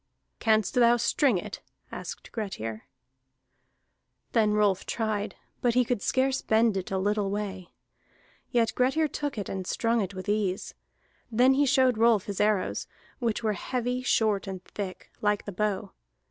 "Canst thou string it?" asked Grettir. Then Rolf tried, but he could scarce bend it a little way. Yet Grettir took it and strung it with ease. Then he showed Rolf his arrows, which were heavy, short, and thick, like the bow.